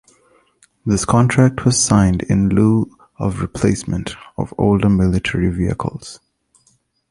This contract was signed in lieu of replacement of older military vehicles.